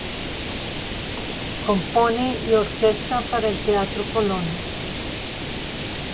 Compone y orquesta para el Teatro Colón.